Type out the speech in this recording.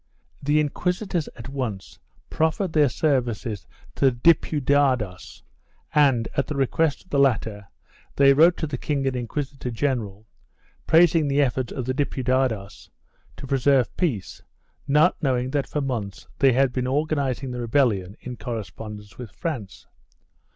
The inquisitors at once proffered their services to the Diputados and, at the request of the latter, they wrote to the king and inquisitor general praising the efforts of the Diputados to preserve peace, not knowing that for months they had been organ izing the rebellion in correspondence with France.